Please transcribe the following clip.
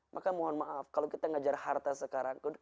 maka mohon maaf kalau kita ngajar harta sekarang